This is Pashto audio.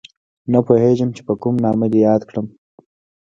نه پوهېږم چې په کوم نامه یې یاد کړم